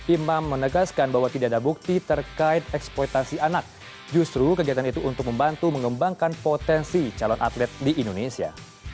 imam menegaskan bahwa tidak ada bukti terkait eksploitasi anak justru kegiatan itu untuk membantu mengembangkan potensi calon atlet di indonesia